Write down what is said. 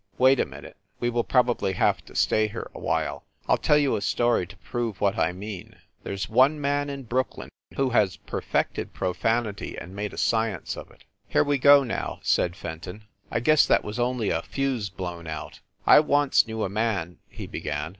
Wait a minute. We will probably have to stay here a while. I ll tell you a story to prove what I mean. There s one man in Brooklyn who has perfected profanity and made a science of it." "Here we go, now," said Fenton. "I guess that was only a fuse blown out. I once knew a man " he began.